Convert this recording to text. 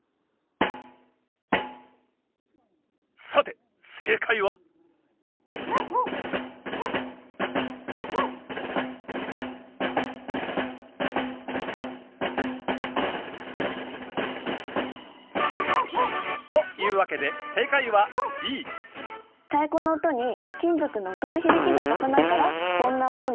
さて正解は？というわけで太鼓の音に金属の音の響きが重なるからこんな音になるんですよ。